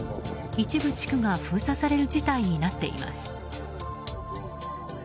一部地区が封鎖される事態になっています。